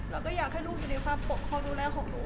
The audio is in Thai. เราก็อยากให้ลูกอยู่ในความปกครองดูแลของหนู